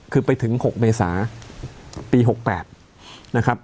คือไปถึง๖เมษาปี๖๘นะครับ